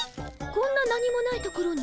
こんな何もない所に？